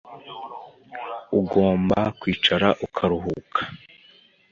Ugomba kwicara ukaruhuka